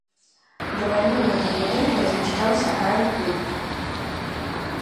Да вайны ў гэтым будынку размяшчаўся аэраклуб.